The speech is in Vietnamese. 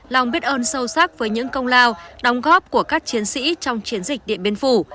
lòng biết ơn sâu sắc với những công lao đóng góp của các chiến sĩ trong chiến dịch điện biên phủ